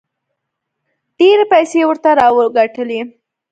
ډېرې پیسې یې ورته راوګټلې.